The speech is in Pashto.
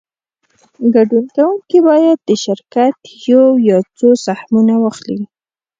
ګډون کوونکی باید د شرکت یو یا څو سهمونه واخلي